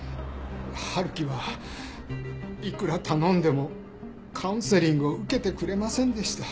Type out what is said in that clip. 春樹はいくら頼んでもカウンセリングを受けてくれませんでした。